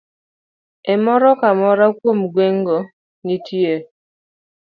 E moro ka moro kuom gwenge go, nitie